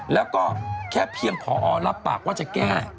แล้วก็แค่เพียงพอรับปากว่าจะแก้